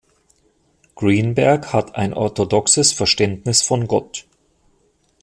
Greenberg hat ein orthodoxes Verständnis von Gott.